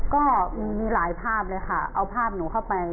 ก็มีหลายภาพเลยค่ะเอาภาพหนูเข้าไป